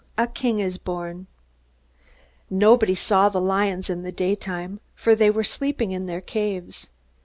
A King Is Born Nobody saw the lions in the daytime, for they were sleeping in their caves.